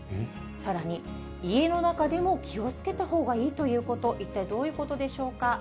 さらに家の中でも気をつけたほうがいいということ、一体どういうことでしょうか。